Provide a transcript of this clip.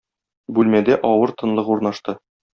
Бүлмәдә авыр тынлык урнашты.